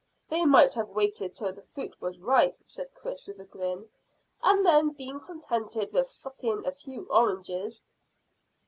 "They might have waited till the fruit was ripe," said Chris, with a grin, "and then been contented with sucking a few oranges."